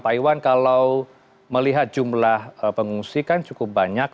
pak iwan kalau melihat jumlah pengungsi kan cukup banyak